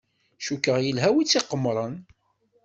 Cukkeɣ yelha win tt-iqemmren.